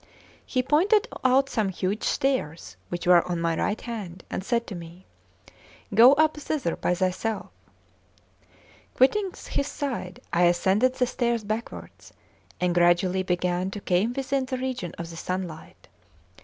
He pointed out some huge stairs which were on my right hand, and said to me: "Go up thither by thyself." Quitting his side, I ascended the stairs backwards, and gradually began to come within the region of the sunlight.